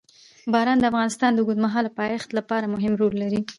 باران د افغانستان د اوږدمهاله پایښت لپاره مهم رول لري.